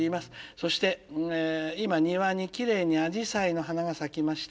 そして今庭にきれいにアジサイの花が咲きました。